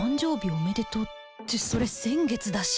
おめでとうってそれ先月だし